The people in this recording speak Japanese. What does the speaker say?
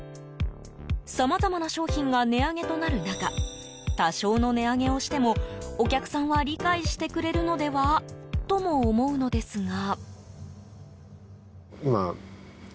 さまざまな商品が値上げとなる中多少の値上げをしてもお客さんは理解してくれるのではとも思うのですが。